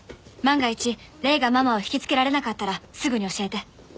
万が一レイがママを引きつけられなかったらすぐに教えて。